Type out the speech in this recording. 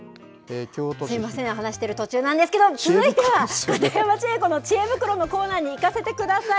すみません、話している途中なんですけど、続いては片山千恵子のちえ袋のコーナーにいかせてください。